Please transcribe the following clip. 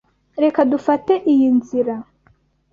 Reka dufate iyi nzira.